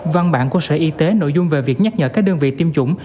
văn bản của sở y tế nội dung về việc nhắc nhở các đơn vị tiêm chủng